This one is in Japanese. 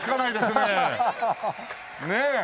ねえ。